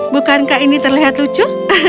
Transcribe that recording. bukankah ini terlihat lucu